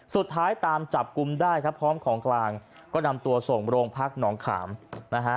สุดท้ายตามจับกลุ่มได้ครับพร้อมของกลางก็นำตัวส่งโรงพักหนองขามนะฮะ